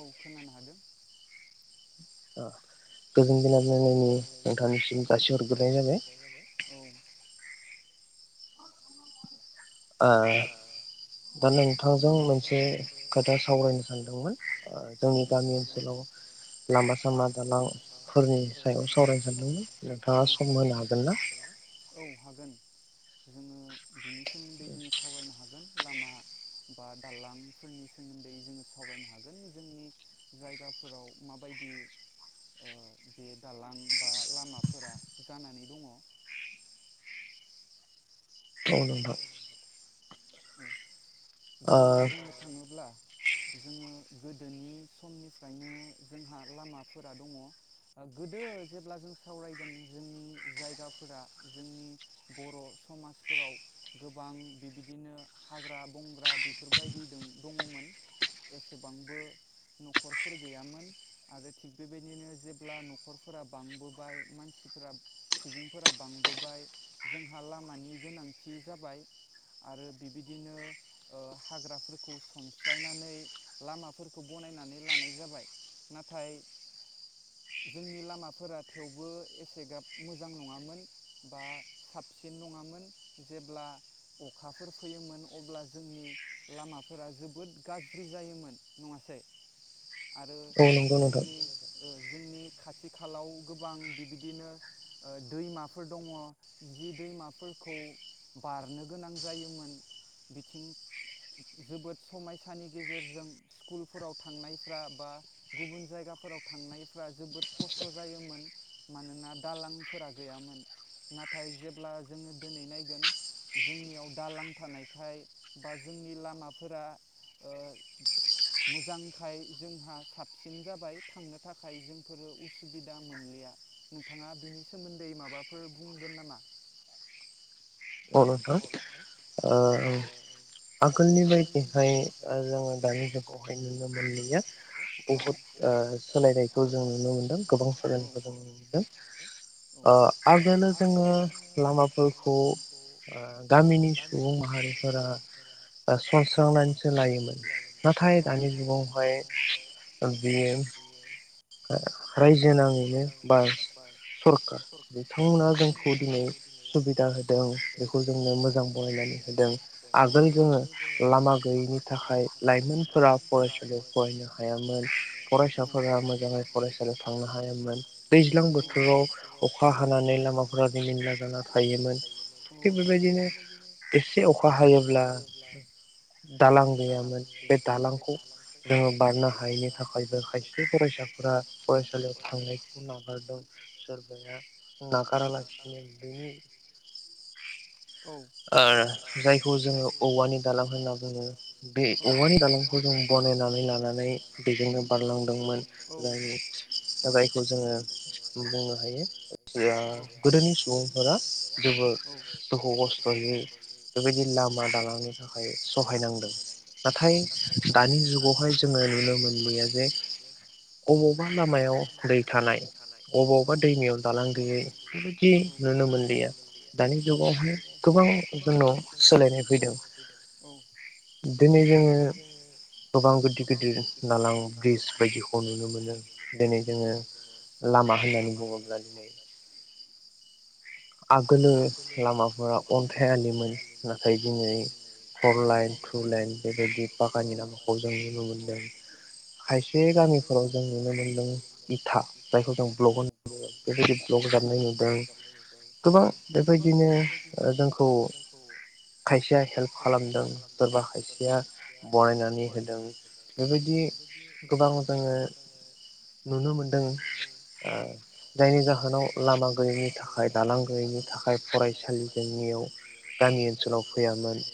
औ खोनानो हादों। ओ औ ओ दा नोंथांजों मोनसे खोथा सावरायनो सानदोंमोन ओ जोंनि गामि ओनसोलाव लामा सामा दालांफोरनि सायाव सावरायनो सानदोंमोन नोंथाङा सम होनो हागोन ना? जोङो बिनि सोमोन्दै जोङो सावरायनो हागोन लामा बा दालांफोरनि सोमोन्दै जोङो सावरायनो हागोन जोंनि जायगाफोराव माबायदि ओ बे दालां बा लामाफोरा जानानै दङ औ नोंथां औ जोङो बुंनो थाङोब्ला जोङो गोदोनि समनिफ्रायनो जोंहा लामाफोरा दङ गोदो जेब्ला जों सावरायगोन जोंनि जायगाफोरा जोंनि बर समाजफोराव गोबां बिबिदिनो हाग्रा बंग्रा बेफोरबायदि दङमोन एसेबांबो नखरफोर गैयामोन आरो थिग बेबायदिनो जेब्ला नखरफोरा बांबोबाय मानसिफोरा सुबुंफोरा बांबोबाय जोंहा लामानि गोनां थि जाबाय आरो बिबिदिनो हाग्राफोरखौ सनस्रायनानै लामाफोरखौ बनायनानै लानाय जाबाय नाथाय जोंनि लामाफोरा थेवबो एसेग्राब मोजां नङामोन बा साबसिन नङामोन जेब्ला अखाफोर फैयोमोन अब्ला जोंनि लामाफोरा जोबोद गाज्रि जायोमोन नङासै? आरो जोंनि जोंनि खाथि खालाव गोबां बिबिदिनो ओ दैमाफोर दङ जि दैमाफोर खौ बारनो गोनां जायोमोन बिथिं जोबोद समायसानि गेजेरजों स्कुलफोराव थांनायफ्रा बा गुबुन जायगाफोराव थांनायफ्रा जोबोद खस्त जायोमोन मानोना दालांफोरा गैयामोन नाथाय जेब्ला जोङो दिनै नायगोन जोंनियाव दालां थानायखाय बा जोंनि लामाफोरा ओ मोजांखाय जोंहा साबसिन जाबाय थांनो थाखाय जोंफोरो उसुबिदा मोनलिया। नोंथाङा बिनि सोमोन्दै माबाफोर बुंगोन नामा? अ नोंथां ओ आगोलनि बायदिहाय जोङो दानि जुगावहाय नुनो मोनलिया बहुद ओ सोलायनायखौ जों नुनो मोनदों गोबां सोलायनायखौ जों नुनो मोनदों ओ आगोनो जोङो लामाफोरखौ गामिनि सुबुं माहारिफोरा सनस्रांनानैसो लायोमोन नाथाय दानि जुगावहाय बियो रायजो नाङैनो बा सरखार बिथांमोना जोंखौ दिनै सुबिदा होदों बेखौ जोंनो मोजां बनायनानै होदों आगोल जोङो लामा गैयैनि थाखाय लाइमोनफोरा फरायसालियाव फरायनो हायामोन फरायसाफोरा मोजाङै फरायसालियाव थांनो हायामोन दैज्लां बोथोराव अखा हानानै लामाफोरा रिमिनला जाना थायोमोन। थिग बेबायदिनो एसे अखा हायोब्ला दालां गैयामोन बे दालांखौ जोङो बारनो हायिनि थाखायबो खायसे फरायसाफोरा फरायसालियाव थांनायखौ नागारदों सोरबाया नागारालासिनो बेनि ओ जायखौ जोङो औवानि दालां होनना बुङो बे औवानि दालांखौ जों बनायनानै लानानै बेजोंनो बारलांदोंमोन जाय जायखौ जोङो बुंनो हायो गोदोनि सुबुंफोरा जोबोद दुखु खस्थयै बेबायदि लामा दालांनो थाखाय सहायनांदों औ नाथाय दानि जुगावहाय जोङो नुनो मोनलिया जे अबावबा लामायाव दै थानाय औ अबावबा दैमायाव दालां गैयै औ बिदि नुनो मोनलिया। जुगाव हाय जुगावहाय गोबां जोंनाव सोलायनाय फैदों औ दिनै जोङो गोबां गिदिर गिदिर दालां ब्रिज बायदिखौ नुनो मोनो दिनै जोङो लामा होननानै बुङोब्ला [unintelligible] आगोलो लामाफोरा अन्थाइआलिमोन नाथाय दिनै फर लाइन थु लाइन बेबायदि पाकानि लामाखौ जों नुनो मोनदों खायसे गामिफोराव जों नुनो मोनदों इथा जायखौ जों ब्लक होनना बुङो बेबायदि ब्लक जाबनाय नुदों। गोबां बेबायदिनो जोंखौ खायसेया हेल्प खालामदों सोरबा खायसेया बनायनानै होदों बेबायदि गोबां जोङो नुनो मोनदों जायनि जाहोनाव लामा गैयिनि थाखाय दालां गैयिनि थाखाय फरायसालि जोंनियाव गामि ओनसोलाव फैयामोन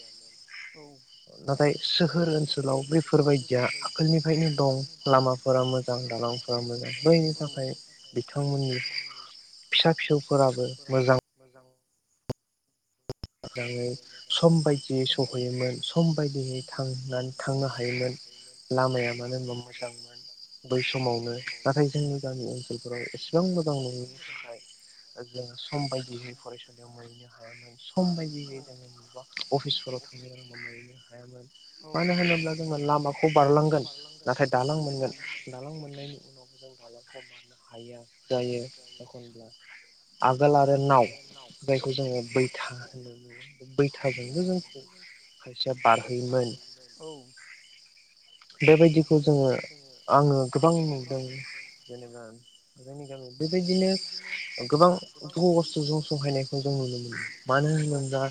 नाथाय सोहोर ओनसोलाव बेफोरबायदिया आखोलनिफ्रायनो दं लामाफोरा मोजां दालांफोरा मोजां बैनि थाखाय बिथांमोननि फिसा फिसौफोराबो मोजां जां मोजाङै सम बायदियै सहैयोमोन सम बायदियै थांनानै थांनो हायोमोन लामाया मानो होनबा मोजांमोन बै समावनो नाथाय जोंनि गामि ओनसोलफोराव एसेबां मोजां नङैनि थाखाय जों सम बायदियै फरायसालियाव मोनहैनो हायामोन। सम बायदियै जोङो बबेबा अफिसफोराव थांनो गोनांब्ला मोनहैनो हायामोन मानो होनोब्ला जोंङो लामाखौ बारलांगोन नाथाय दालां मोनगोन दालां मोननायनि उनावबो जों मालाबा हाइया जायो एखनब्ला आगोल आरो नाव जायखौ जोङो बैथा बैथा गैयिजो जोंखौ खायसेया बारहोयोमोन। बेबायदिखौ जोङो आङो गोबां नुदों जेनेबा जोंनि गामियाव। बेबायदिनो गोबां दङ सुबुं सहायनायखौ जों नुनो मोनो। मानो होनोबोब्ला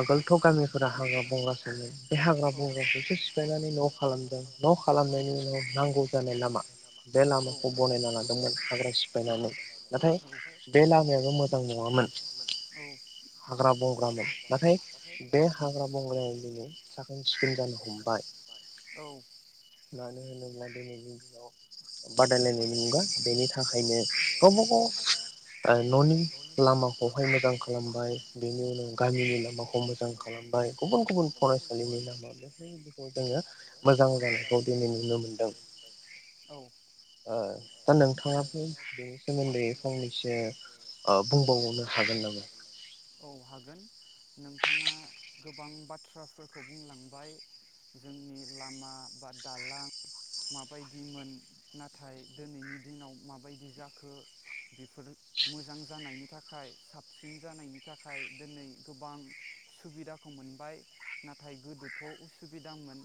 आगोलथ‌ गामिफोरा हाग्रा बंग्रा सोमोन बे हाग्रा बंग्राखौसो सिफायनानै न खालामदों न खालामनायनि उनाव नांगौ जानाय लामा बे लामाखौ बनायना लादोंमोन हाग्रा सिफायना औ नाथाय बे लामायाबो मोजां नङामोन औ हाग्रा बंग्रामोन नाथाय बे हाग्रा बंग्रायाव दिनै साखोन सिखोन जानो हमबाय मानो होनोब्ला दिनै औ बादायलायनायनि मुगा बेनि थाखायनो गावबागाव न'नि लामाखौहाय मोजां खालामबाय बेनि उनाव गामिनि लामाखौ मोजां खालामबाय गुबुन गुबुन फरायसालिनि लामा बेफोरदिखौ जोङो मोजां जानायखौ दिनै नुनो मोनदों ओ दा नोंथाङाबो बेनि सोमोन्दै फंनैसो ओ बुंबावनो हागोन नामा औ हागोन नोंथाङा गोबां बाथ्राफोरखौ बुंलांबाय जोंनि लामा बा दालां माबायदिमोन ना नाथाय दोनैनि दिनाव माबायदि जाखो बेफोर मोजां जानायनि थाखाय साबसिन जानायनि थाखाय दिनै गोबां सुबिदाखौ मोनबाय नाथाय गोदोथ' उसुबिदामोन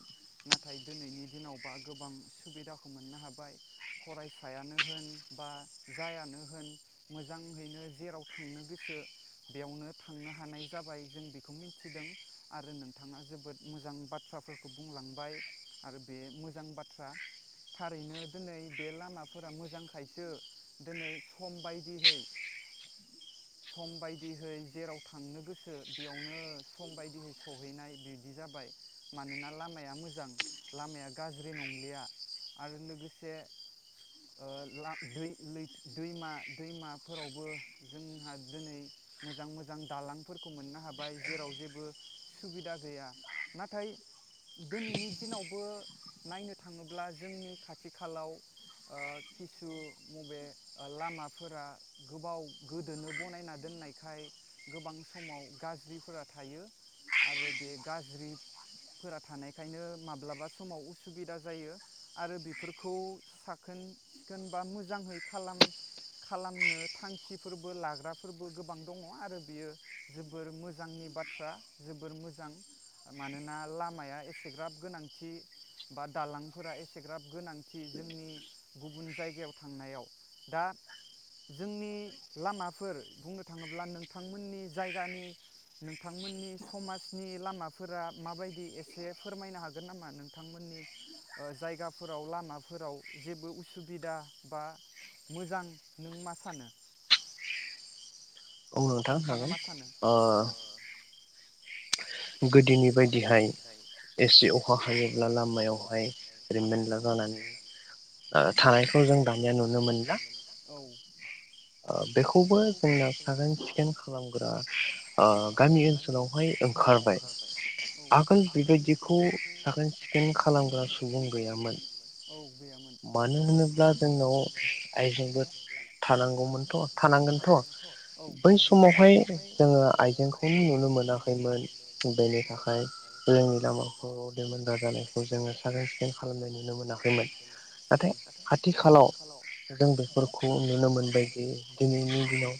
नाथाय दिनैनि दिनाव बा गोबां सुबिदाखौ मोननो हाबाय फरायसायानो होन बा जायानो होन मोजाङैनो जेराव थांनो गोसो बेयावनो थांनो हानाय जाबाय जों बेखौ मिथिदों आरो नोंथाङा जोबोद मोजां बाथ्राफोरखौ बुंलांबाय आरो बे मोजां बाथ्रा थारैनो दिनै बे लामाफोरा मोजांखायसो दिनै सम बायदिहै सम बायदिहै जेराव थांनो गोसो बेयावनो सम बायदिहै सहैनाय बिदि जाबाय मानोना लामाया मोजां लामाया गाज्रि नंलिया आरो लोगो से दैमा दैमाफोरावबो जोंहा दिनै मोजां मोजां दालांफोरखौ मोननो हाबाय जेराव जेबो सुबिदा गैया नाथाय दिनैनि दिनावबो नायनो थाङोब्ला जोंनि खाथि आथिखालाव किसु मबे लामाफोरा गोबाव गोदोनो बनायना दोननायखाय गोबां समाव गाज्रिफोरा थायो आरो बे गाज्रिफोरा थानायखायनो माब्लाबा समाव उसुबिदा जायो आरो फोरखौ साखोन सिखोन बा मोजाङै खालाम खालामनो थांखिफोरबो लाग्राफोरबो गोबां दङ आरो बियो जोबोर मोजांनि बाथ्रा जोबोर मोजां मानोना लामाया एसेग्राब गोनांथि बा दालांफोरा एसेग्राब गोनांथि थि जोंनि गुबुन जायगायाव थांनायाव दा जोंनि लामाफोर बुंनो थाङोब्ला नोंथांमोननि जायगानि नोंथांमोननि समाजनि लामाफोरा माबायदि एसे फोरमायनो हागोन नामा नोंथांमोननि जायगा फोराव लामाफोराव जेबो उसुबिदा बा मोजां नों मा सानो औ नोंथां हागोन ओ गोदोनि बायदिहाय एसे अखा हायोब्ला लामायावहाय रिमोन्दला जानानै थानायखौ जों दानिया नुनो मोनला बेखौबो जोंना साखोन सिखोन खालामग्रा गामि ओनसोलावहाय ओंखारबाय ओंखारबाय औ आगोल बेबायदिखौ साखोन सिखोन खालामग्रा सुबुं गैयामोन औ गैयामोन मानो होनोब्ला जोंनाव आइजेंबो थानांगोनथ बै समावहाय जोङो आइजेंखौनो नुनो मोनाखैमोन बेनि थाखाय जोंनि लामाखौ रिमोनदा जानायखौ जोङो साखोन सिखोन खालामनाय नुनो मोनाखैमोन नाथाय आथिखालाव जों बेफोरखौ नुनो मोनबाय दिनैनि दिनाव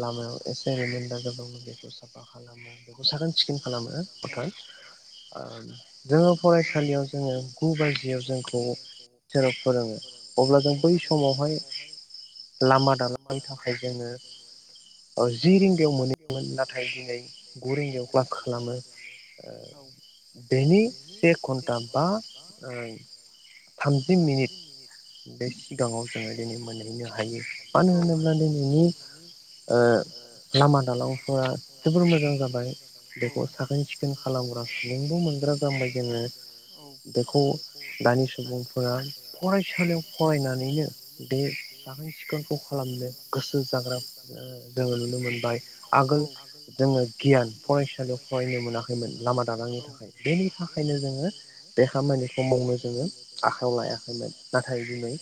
लामायाव एसे रिमोनदा जाबानो बेखौ साफा खालामो बेखौ साखोन सिखोन खालामो जोङो फरायसालियाव जोङो गु बाजियाव जोंखौ टिसारहा फोरोङो अब्ला जों बै समावहाय लामा दालां नि थाखाय जोङो जि रिंगायाव मोनैयोमोन नाथाय दिनै गु रिंगायाव क्लास ओ बेनि से घन्टा बा थामजि मिनिट बे सिगाङाव जोङो दिनै मोनहैनो हायो। मानो होनोब्ला दिनैनि ओ लामा दालांफोरा जोबोर मोजां जाबाय। साखोन सिखोन खालामग्रा सुबुंबो मोनग्रा जामबाय जोङो बेखौ दानि सुबुंफोरा फरायसालियाव फरायनानैनो बे साखोन सिखोन खालामनो गोसो जाग्रा ओ जोङो नुनो मोनबाय आगोल जोङो गियान फरायसालि फरायनो मोनाखैमोन लामा दालांनि थाखाय बेनि थाखायनो जोङो बे खामानिखौ मावनो जोङो आखायाव लायाखैमोन नाथाय दिनै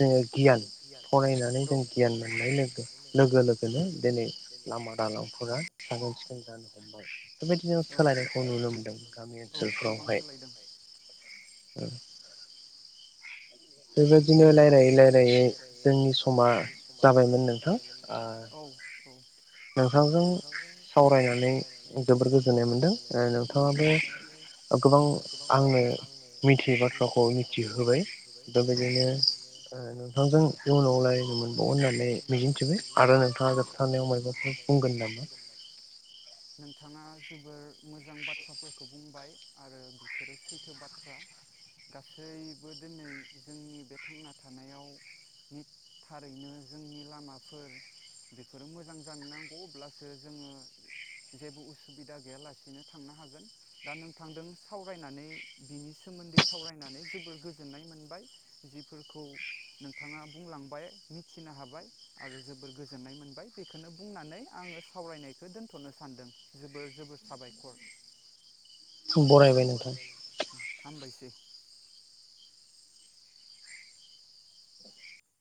जोङो गियान फरायनानै जों गियान मोननाय लोगो लोगो लोगोनो दिनै लामा दालांफोरा साखोन सिखोन जानो हमबाय। बेबायदिनो सोलायनायखौ नुनो मोनदों गामि ओनसोलफोरावहाय [inaudible] बेबायदिनो लायरायै लायरायै जोंनि स जोंनि समा जाबायमोन नोंथां। औ नोंथांजों सावरायनानै जोबोर गोजोननाय मोनदों नोंथाङाबो गोबां आंनो मिथियै बाथ्राखौ मिथिहोबाय। दा बेबायदिनो नोंथांजों इयुनाव रायज्लायनो मोनबावगोन होननानै मिजिंथिबाय आरो नोंथाङा जोबथारनायाव मैगं। बुंगोन नामा? जोबोर मोजां बाथ्राफोरखौ बुंबाय आरो बिफोरो सैथो बाथ्रा गासैबो दिनै जोंनि बे थांना थानायाव थारैनो जोंनि लामाफोर बेफोरो मोजां जानो नांगौ अब्लासो जोङो जेबो उसुबिदा गैयालासेनो थांनो हागोन दा नोंथांदों सावरायनानै बिनि सोमोन्दै सावरायनानै जोबोर गोजोननाय मोनबाय। जिफोरखौ नोंथाङा बुंलांबाय मिथिनो हाबाय आरो जोबोर गोजोननाय मोनबाय बेखौनो बुंनानै आङो सावरायनायखौ दोन्थनो सानदों जोबोर जोबोर साबायखर। बरायबाय नोंथां। हा-हामबायसै। दे।